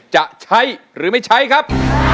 จะใช้หรือไม่ใช้ครับ